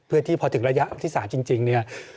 เพื่อที่พอถึงระยะที่๓จริงเนี่ย